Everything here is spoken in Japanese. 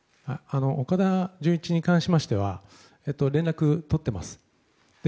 岡田准一に関しましては連絡を取っています。